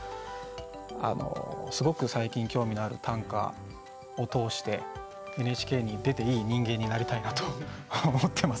すごく最近興味のある短歌を通してＮＨＫに出ていい人間になりたいなと思ってます。